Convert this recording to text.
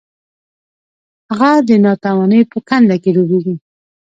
هغه د ناتوانۍ په کنده کې ډوبیږي.